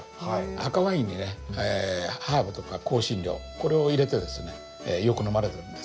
赤ワインにねハーブとか香辛料これを入れてですねよく飲まれてるんです。